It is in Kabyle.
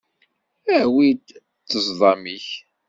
Awi-d ṭṭezḍam-ik.